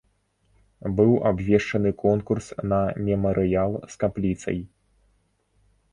Быў абвешчаны конкурс на мемарыял з капліцай.